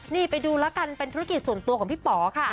นี่ไปดูแล้วกันเป็นธุรกิจส่วนตัวของพี่ป๋อค่ะ